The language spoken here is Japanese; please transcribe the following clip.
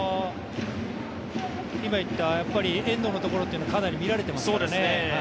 遠藤のところというのはかなり見られていますからね。